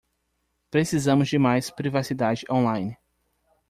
Precisamos de mais privacidade online.